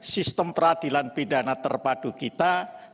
sistem peradilan pidana terpadu kita